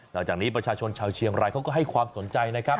หลังจากนี้ประชาชนชาวเชียงรายเขาก็ให้ความสนใจนะครับ